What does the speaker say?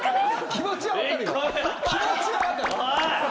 気持ちは分かる。